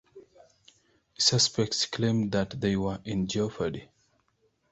The suspects claimed that they were in jeopardy.